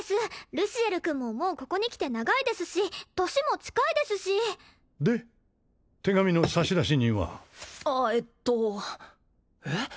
ルシエル君ももうここに来て長いですし年も近いですしで手紙の差出人は？ああえっとえっ？